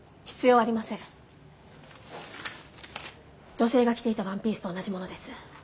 女性が着ていたワンピースと同じものです。